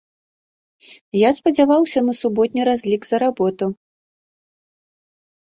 Я спадзяваўся на суботні разлік за работу.